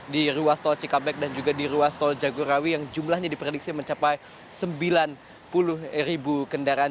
di ruas tol cikampek dan juga di ruas tol jagorawi yang jumlahnya diprediksi mencapai sembilan puluh ribu kendaraan